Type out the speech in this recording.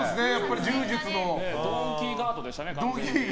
ドンキーガードでしたね。